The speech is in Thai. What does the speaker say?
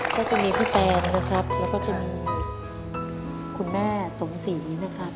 ก็จะมีพี่แตงนะครับแล้วก็จะมีคุณแม่สมศรีนะครับ